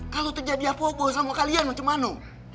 kalau terjadi apa apa sama kalian bagaimana